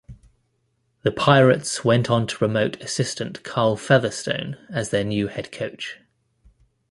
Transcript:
The Pirates went on to promote assistant Karl Featherstone as their new head coach.